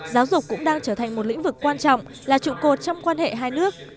giáo dục cũng đang trở thành một lĩnh vực quan trọng là trụ cột trong quan hệ hai nước